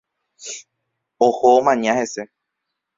Oho omaña hese.